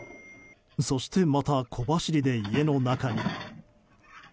そして、また小走りで家の中に。